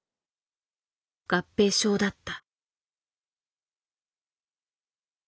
合併症だった。